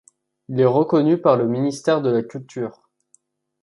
Il est reconnu par le Ministère de la Culture.